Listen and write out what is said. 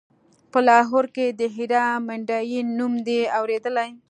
په لاهور کښې د هيرا منډيي نوم دې اورېدلى.